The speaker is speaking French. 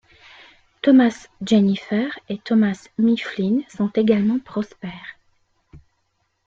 Thomas Jenifer et Thomas Mifflin sont également prospères.